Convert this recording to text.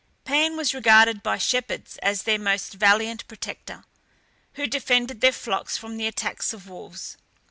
Pan was regarded by shepherds as their most valiant protector, who defended their flocks from the attacks of wolves.